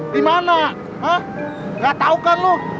di mana hah gak tau kan lo